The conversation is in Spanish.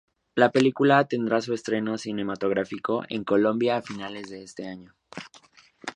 La película tendrá su estreno cinematográfico en Colombia a finales de este año.